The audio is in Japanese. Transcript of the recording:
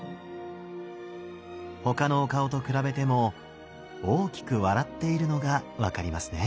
他のお顔と比べても大きく笑っているのが分かりますね。